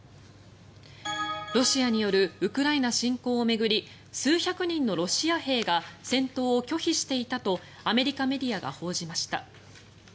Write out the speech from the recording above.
ロシアによるウクライナ侵攻を巡り数百人のロシア兵が戦闘を拒否していたとアメリカメディアが報じました。